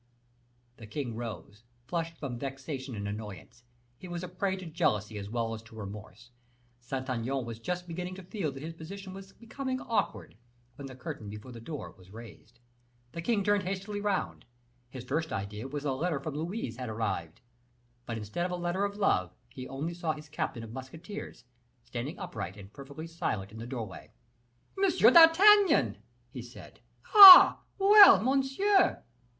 The king rose, flushed from vexation and annoyance; he was a prey to jealousy as well as to remorse. Saint Aignan was just beginning to feel that his position was becoming awkward, when the curtain before the door was raised. The king turned hastily round; his first idea was that a letter from Louise had arrived; but, instead of a letter of love, he only saw his captain of musketeers, standing upright, and perfectly silent in the doorway. "M. d'Artagnan," he said, "ah! Well, monsieur?"